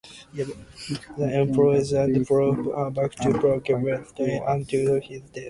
The emperor then brought him back to Prague, where he stayed until his death.